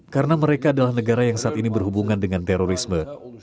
karena mereka adalah negara yang saat ini berhubungan dengan terorisme